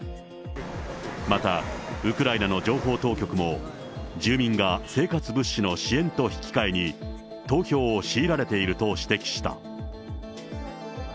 またウクライナの情報当局も、住民が生活物資の支援と引き換えに、投票を強いられていると指摘した。